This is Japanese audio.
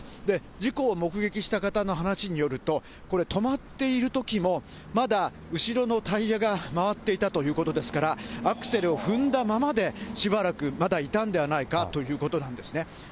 事故を目撃した方の話によると、これ、止まっているときも、まだ後ろのタイヤが回っていたということですから、アクセルを踏んだままで、しばらくまだいたんではないかということなんですね。